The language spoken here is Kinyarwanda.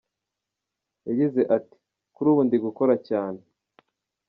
Yagize ati”Kuri ubu ndi gukora cyane.